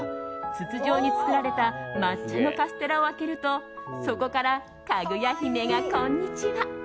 筒状に作られた抹茶のカステラを開けるとそこから、かぐや姫がこんにちは。